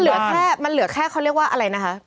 เหลือแค่มันเหลือแค่เขาเรียกว่าอะไรนะคะ